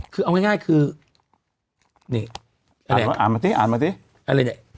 คือเอาง่ายคืออ่านมาสิอะไรแหละ